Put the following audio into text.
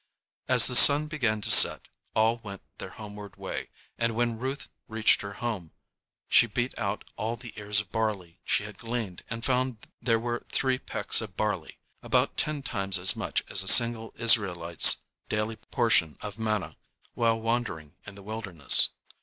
As the sun began to set, all went their homeward way, and when Ruth reached her home she beat out all the ears of barley she had gleaned and found there were three pecks of barley, about ten times as much as a single Israelite's daily portion of manna while wandering in the wilderness.